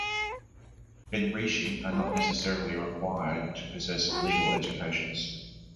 Benrishi are not necessarily required to possess legal educations.